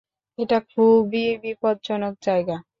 এটা খুবই বিপজ্জনক জায়গা।